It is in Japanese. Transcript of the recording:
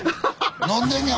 飲んでんねや！